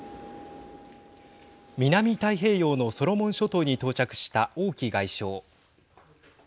南太平洋のソロモン諸島に到着した王毅外相。